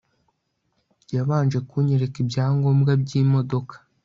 yabanje kunyereka ibyangombwa byimodoka